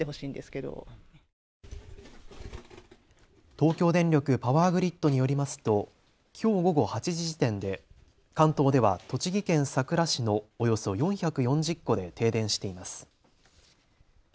東京電力パワーグリッドによりますときょう午後８時時点で関東では栃木県さくら市のおよそ４４０戸で停電しています。